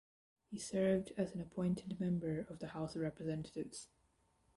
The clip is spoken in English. He served as an appointed member of the House of Representatives.